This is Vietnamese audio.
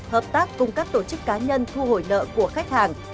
hợp tác cùng các tổ chức cá nhân thu hồi nợ của khách hàng